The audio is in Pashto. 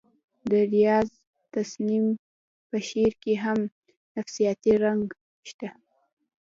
د ریاض تسنیم په شعر کې هم نفسیاتي رنګ شته